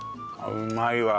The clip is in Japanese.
うまいわ。